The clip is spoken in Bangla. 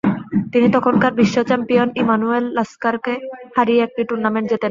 তিনি তখনকার বিশ্বচ্যাম্পিয়ন ইমানুয়েল লাস্কারকে হারিয়ে একটি টুর্নামেন্ট জেতেন।